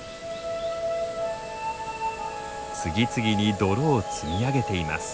次々に泥を積み上げています。